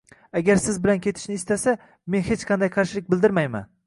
Agar siz bilan ketishni istasa men hech qanday qarshilik bildirmayman